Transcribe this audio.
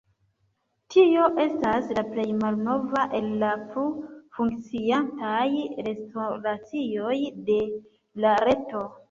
Tio estas la plej malnova el la plu funkciantaj restoracioj de la reto.